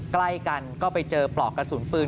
ใกล้กันก็ไปเจอปลอกกระสุนปืน